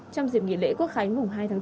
trong dịp nghỉ lễ quốc khánh vùng hai tháng chín